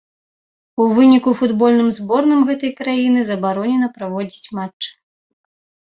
У выніку футбольным зборным гэтай краіны забаронена праводзіць матчы.